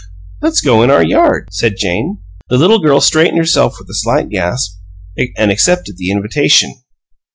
"Let's go in our yard," said Jane. The little girl straightened herself with a slight gasp, and accepted the invitation.